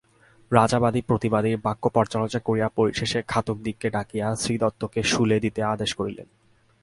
রাজা বাদী প্রতিবাদীর বাক্য পর্যালোচনা করিয়া পরিশেষে ঘাতকদিগকে ডাকাইয়া শ্রীদত্তকে শূলে দিতে আদেশ করিলেন।